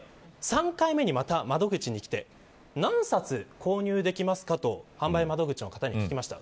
３回目にまた窓口にきて何冊購入できますかと販売窓口の方に聞きました。